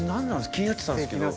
気になってたんですけど。